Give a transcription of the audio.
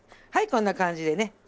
はいこんな感じでね